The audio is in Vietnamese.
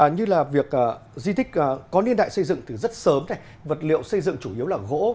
như là việc di tích có niên đại xây dựng từ rất sớm vật liệu xây dựng chủ yếu là gỗ